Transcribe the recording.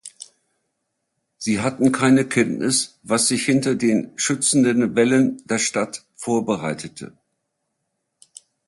Sie hatten keine Kenntnis, was sich hinter den schützenden Wällen der Stadt vorbereitete.